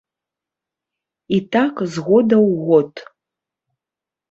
І так з года ў год.